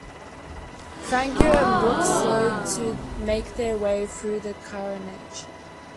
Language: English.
Fangio and Brooks slowed to make their way through the carnage.